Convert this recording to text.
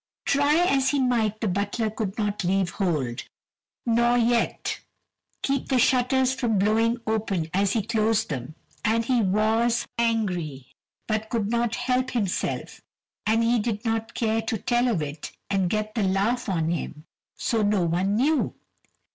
Try as he might the butler could not leave hold, nor yet keep the shutters from blowing open as he closed them. And he was angry, but could not help himself, and he did not care to tell of it and get the laugh on him, so no one knew.